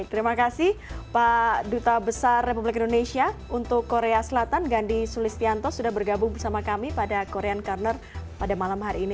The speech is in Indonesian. terima kasih pak duta besar republik indonesia untuk korea selatan gandhi sulistianto sudah bergabung bersama kami pada korean corner pada malam hari ini